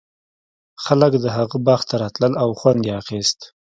خلک د هغه باغ ته راتلل او خوند یې اخیست.